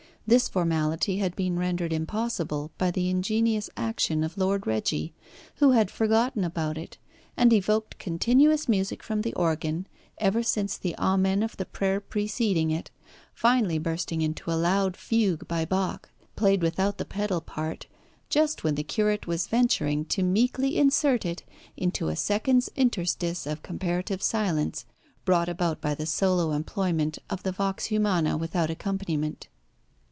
This formality had been rendered impossible by the ingenious action of Lord Reggie, who had forgotten about it, and evoked continuous music from the organ ever since the amen of the prayer preceding it, finally bursting into a loud fugue by Bach, played without the pedal part, just when the curate was venturing to meekly insert it into a second's interstice of comparative silence, brought about by the solo employment of the vox humana without accompaniment.